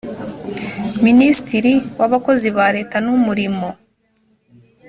minisitiri w abakozi ba leta n umurimo